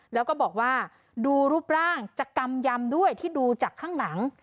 แล้วก็บอกว่าดูรูปร่างจะกำยำด้วยที่ดูจากข้างหลัง